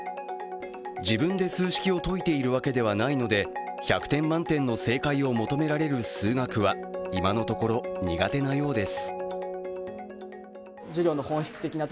自分で数式を解いているわけではないので、１００点満点の世界を求められる数学は、今のところ苦手なようです